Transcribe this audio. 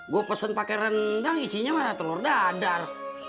gue pesen pake rendang isinya malah telur dadar